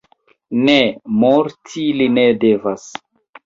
Ne, morti li ne devas!